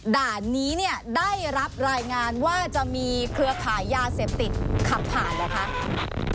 ด่านนี้ได้รับรายงานว่าจะมีเครือผ่ายหยาเสพติดขับผ่านนะคะ